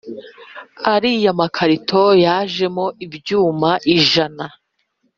ariya makarito yajemo ibyuma ijana